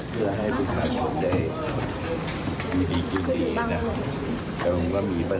ความสงบเรียบร้อย